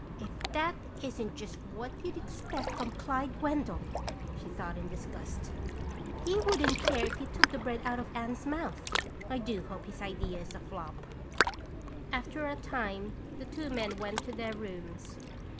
"If that isn't just what you'd expect of Clyde Wendell!" she thought in disgust. "He wouldn't care if he took the bread out of Anne's mouth. I do hope his idea is a flop." After a time the two men went to their rooms.